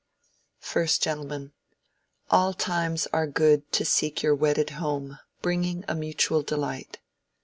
1_st Gent_. All times are good to seek your wedded home Bringing a mutual delight.